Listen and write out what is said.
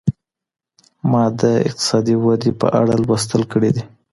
ما د اقتصادي ودي په اړه لوستل کړي دي.